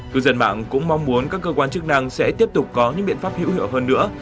cư dân mạng cũng mong muốn các cơ quan chức năng sẽ tiếp tục có những biện pháp hữu hiệu hơn nữa